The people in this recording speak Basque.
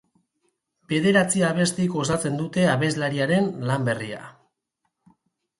Bederatzi abestik osatzen dute abeslariaren lan berria.